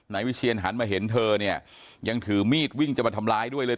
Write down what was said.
นายวิเชียนหันมาเห็นเธอเนี่ยยังถือมีดวิ่งจะมาทำร้ายด้วยเลย